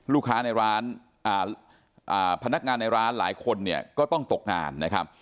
ลูกค้าในร้านพนักงานในร้านหลายคนก็ต้องตกงาน